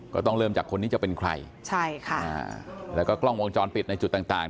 ก็ต้องเริ่มจากคนนี้จะเป็นใครใช่ค่ะแล้วก็กล้องวงจรปิดในจุดต่างต่าง